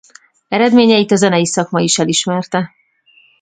Eredményeit a zenei szakma is elismerte.